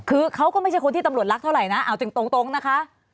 คือเขาก็ไม่ใช่คนที่ตำรวจรักเท่าไหร่นะเอาจริงตรงนะคะ